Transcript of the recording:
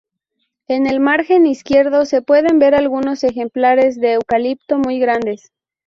En el margen izquierdo se pueden ver algunos ejemplares de eucalipto muy grandes.